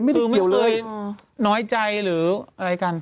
ไม่ได้เกี่ยวเลยคือไม่เคยน้อยใจหรืออะไรกัน